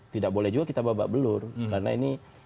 tidak boleh juga kita babak belur karena ini